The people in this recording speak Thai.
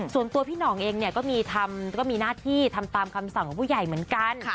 ส่วนตัวพี่หน่องเองเนี่ยก็มีทำก็มีหน้าที่ทำตามคำสั่งของผู้ใหญ่เหมือนกัน